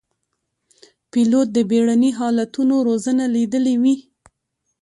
پیلوټ د بېړني حالتونو روزنه لیدلې وي.